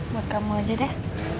buat kamu aja deh